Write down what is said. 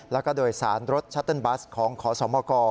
แล้วก็โดยสารรถชัตเติ้ลบัสของขอสมก